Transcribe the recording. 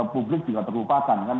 publik juga terlupakan kan